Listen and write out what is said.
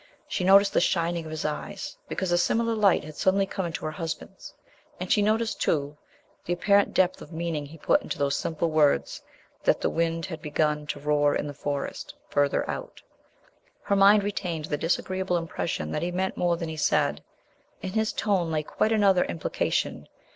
She noticed the shining of his eyes, because a similar light had suddenly come into her husband's; and she noticed, too, the apparent depth of meaning he put into those simple words that "the wind had begun to roar in the Forest ...further out." Her mind retained the disagreeable impression that he meant more than he said. In his tone lay quite another implication.